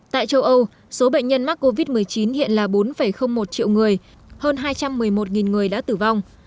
tại châu âu số bệnh nhân mắc covid một mươi chín hiện là bốn một triệu người hơn hai trăm một mươi một người đã tử vong